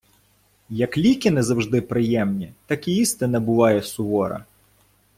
Як ліки не завжди приємні, так і істина буває сувора.